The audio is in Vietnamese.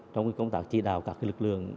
trong công tác trị đào các cái lực lượng